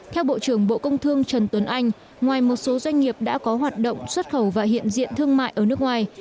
theo bộ trưởng bộ công thương trần tuấn anh ngoài một số doanh nghiệp đã có hoạt động xuất khẩu và hiện diện thương mại ở nước ngoài